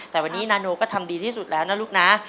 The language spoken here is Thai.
แต่วันนี้นาโนก็ทำดีที่สุดแล้วนะลูกนะ